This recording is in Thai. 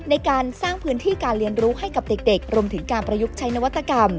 ในการสร้างพื้นที่การเรียนรู้ให้กับเด็กรวมถึงการประยุกต์ใช้นวัตกรรม